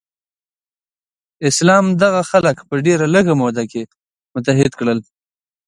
اسلام دغه خلک په ډیره لږه موده کې متحد کړل.